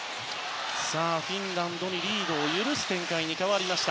フィンランドにリードを許す展開に変わりました。